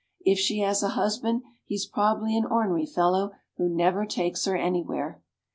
If she has a husband he is probably an "ornery" fellow who never takes her anywhere.